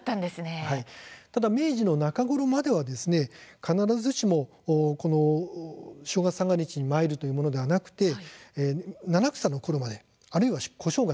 ただ明治の中頃までは必ずしもこの正月三が日に参るというものではなく七草のころまで、あるいは小正月